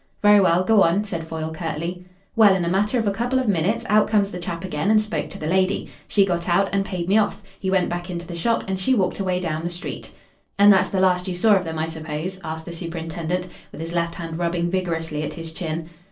"Very well. Go on," said Foyle curtly. "Well, in a matter of a couple of minutes out comes the chap again and spoke to the lady. She got out and paid me off. He went back into the shop and she walked away down the street." "And that's the last you saw of them, I suppose?" asked the superintendent, with his left hand rubbing vigorously at his chin.